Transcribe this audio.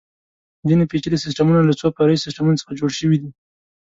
ځینې پېچلي سیسټمونه له څو فرعي سیسټمونو څخه جوړ شوي دي.